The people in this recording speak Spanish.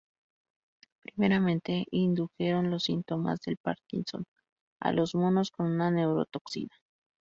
Primeramente indujeron los síntomas del Parkinson a los monos con una neurotoxina.